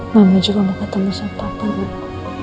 mama juga mau ketemu siapa papa